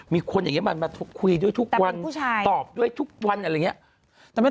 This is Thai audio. มีคนอย่างนี้มันมาคุยด้วยทุกวันตอบด้วยทุกวันอะไรอย่างนี้